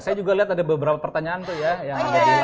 saya juga lihat ada beberapa pertanyaan tuh ya yang ada di